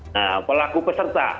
nah pelaku peserta